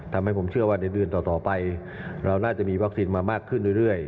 ทำให้ผมเชื่อว่าในเดือนต่อไปเราน่าจะมีวัคซีนมามากขึ้นเรื่อย